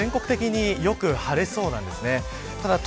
今日は全国的によく晴れそうなんです。